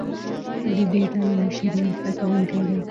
د دې ډلې مشر یو زده کوونکی دی.